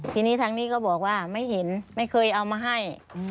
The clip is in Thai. ทีนี้ทางนี้ก็บอกว่าไม่เห็นไม่เคยเอามาให้